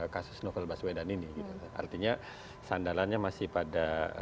kasus novel baswedan ini artinya sandalannya masih pada